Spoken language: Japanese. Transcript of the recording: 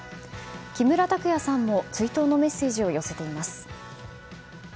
木村拓哉さんも追悼のメッセージを寄せています。